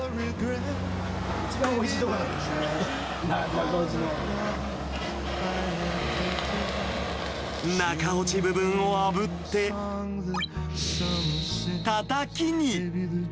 一番おいしいところなんだよね、中落ち部分をあぶってたたきに。